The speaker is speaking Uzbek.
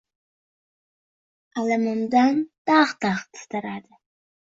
Alamidan dag‘-dag‘ titradi.